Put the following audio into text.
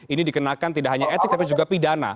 ini dikenakan tidak hanya etik tapi juga pidana